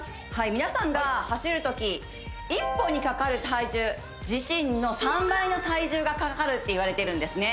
皆さんが走るとき１歩にかかる体重自身の３倍の体重がかかるって言われてるんですね